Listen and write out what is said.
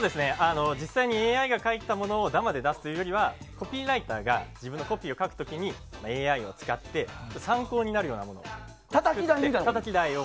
実際にＡＩが書いたものを生で出すというよりはコピーライターが自分のコピーを書く時にＡＩを使って参考になるようなものを。